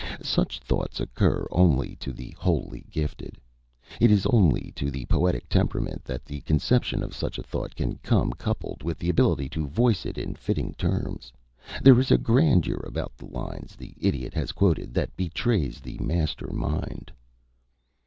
Such thoughts occur only to the wholly gifted. It is only to the poetic temperament that the conception of such a thought can come coupled with the ability to voice it in fitting terms. There is a grandeur about the lines the Idiot has quoted that betrays the master mind."